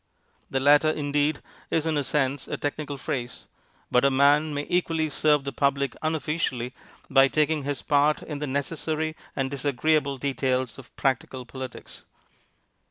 The latter, indeed, is in a sense a technical phrase; but a man may equally serve the public unofficially by taking his part in the necessary and disagreeable details of practical politics.